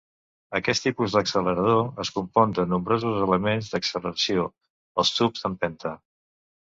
Aquest tipus d'accelerador es compon de nombrosos elements d'acceleració, els tubs d'empenta.